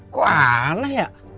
kok aneh ya